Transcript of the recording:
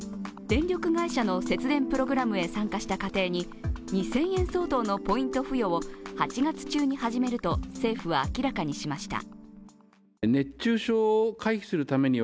電力会社の節電プログラムへ参加した家庭に２０００円相当のポイント付与を８月中に始めると政府は明らかにしました。